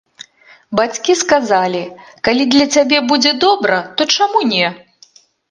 Бацькі сказалі, калі для цябе будзе добра, то чаму не.